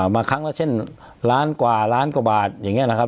มาครั้งละเช่นล้านกว่าล้านกว่าบาทอย่างนี้นะครับ